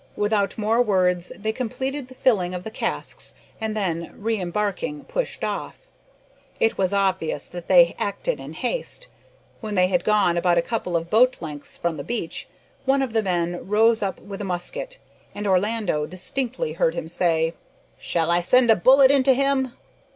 Without more words they completed the filling of the casks, and then, re embarking, pushed off. It was obvious that they acted in haste. When they had gone about a couple of boat lengths from the beach, one of the men rose up with a musket, and Orlando distinctly heard him say "Shall I send a bullet into him?"